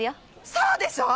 そうでしょう！